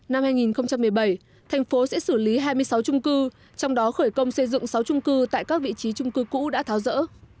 năm hai nghìn một mươi bảy thành phố sẽ xử lý hai mươi sáu trung cư trong đó khởi công xây dựng sáu trung cư tại các vị trí trung cư cũ đã tháo rỡ